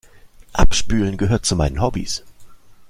Abspülen gehört zu meinen Hobbies.